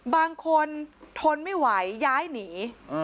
บางคนทนไม่ไหวย้ายหนี